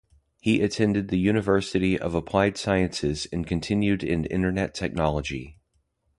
He attended the University of Applied Sciences and continued in Internet Technology.